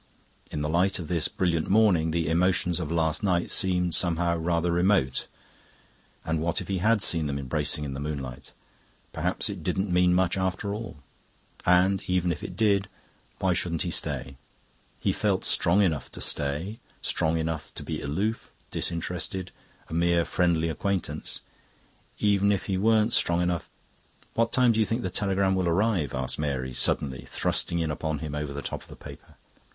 In the light of this brilliant morning the emotions of last night seemed somehow rather remote. And what if he had seen them embracing in the moonlight? Perhaps it didn't mean much after all. And even if it did, why shouldn't he stay? He felt strong enough to stay, strong enough to be aloof, disinterested, a mere friendly acquaintance. And even if he weren't strong enough... "What time do you think the telegram will arrive?" asked Mary suddenly, thrusting in upon him over the top of the paper.